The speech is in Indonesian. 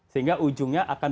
sehingga ujungnya akan